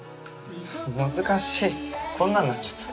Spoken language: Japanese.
難しいこんなんなっちゃった。